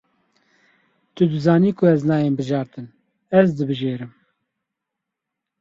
Tu dizanî ku ez nayêm bijartin, ez dibijêrim.